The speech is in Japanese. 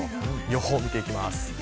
予報を見ていきます。